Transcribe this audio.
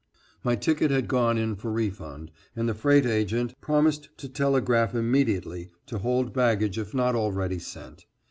My ticket had gone in for refund, and the freight agent promised to telegraph immediately to hold baggage if not already sent.